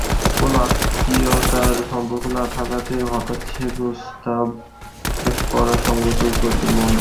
কোনো আত্মীয়তার সম্পর্ক না থাকাতে হঠাৎ সে প্রস্তাব করা সংগত মনে করেন নাই।